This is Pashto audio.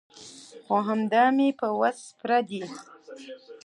خو همدا مې په وس پوره ده.